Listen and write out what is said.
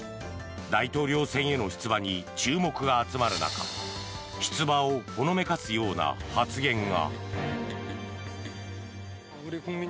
大統領選への出馬に注目が集まる中出馬をほのめかすような発言が。